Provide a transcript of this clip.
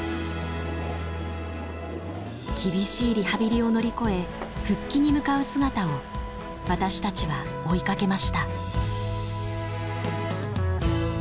厳しいリハビリを乗り越え復帰に向かう姿を私たちは追いかけました。